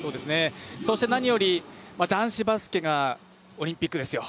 そして何より男子バスケがオリンピックですよ。